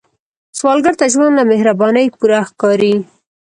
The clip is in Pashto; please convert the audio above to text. سوالګر ته ژوند له مهربانۍ پوره ښکاري